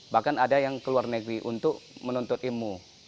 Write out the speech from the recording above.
bahkan ada yang keluar negeri untuk menuntut ilmu